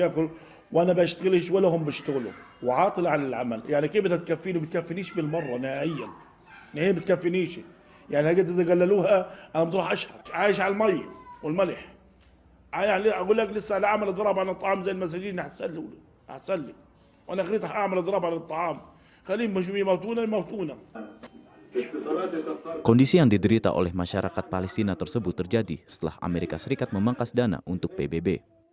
kondisi yang diderita oleh masyarakat palestina tersebut terjadi setelah amerika serikat memangkas dana untuk pbb